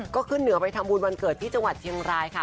ก็ขึ้นเหนือไปทำบุญวันเกิดที่จังหวัดเชียงรายค่ะ